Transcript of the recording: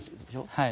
はい。